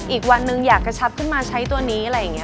อีกวันหนึ่งอยากกระชับขึ้นมาใช้ตัวนี้อะไรอย่างนี้